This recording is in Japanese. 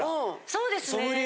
そうですね。